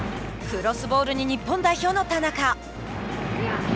クロスボールに日本代表の田中。